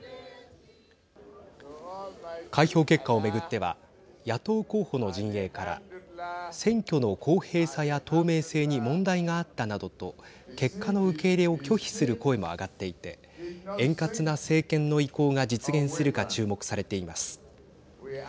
開票結果を巡っては野党候補の陣営から選挙の公平さや透明性に問題があったなどと結果の受け入れを拒否する声も上がっていて円滑な政権の意向が実現するか注目されています。